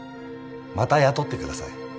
また雇ってください。